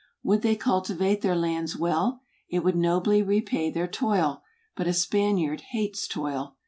Would they cultivate their lands well, it would nobly repay their toil: but a Spaniard hates toil.